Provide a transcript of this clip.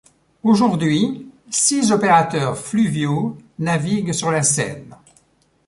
Aujourd'hui, six opérateurs fluviaux naviguent sur la Seine.